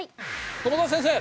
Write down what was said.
友澤先生！